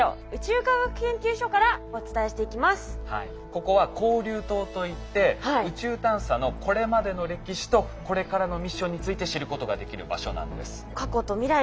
ここは交流棟といって宇宙探査のこれまでの歴史とこれからのミッションについて知ることができる場所なんです。